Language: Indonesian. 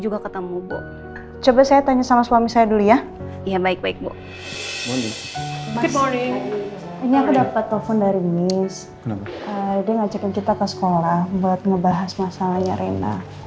gak boleh bawa masalah ke tempat lain